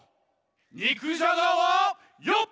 にくじゃがはよっ！